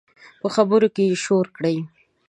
په خبرو کې یې شور کړي